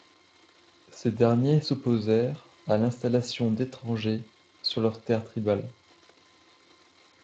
Ces derniers s'opposèrent à l'installation d'étrangers sur leurs terres tribales.